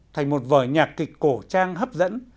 thành một vở nhạc kịch cổ trang hấp dẫn